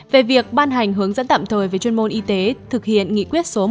về việc ban hành hướng dẫn tạm thời về chuyên môn y tế thực hiện nghị quyết số một trăm hai mươi tám